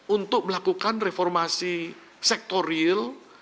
untuk melakukan reformasi sektor real